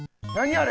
あれ。